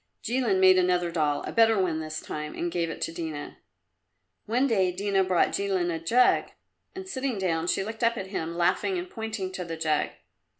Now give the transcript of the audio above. Jilin made another doll a better one this time and gave it to Dina. One day Dina brought Jilin a jug, and sitting down, she looked up at him, laughing and pointing to the jug.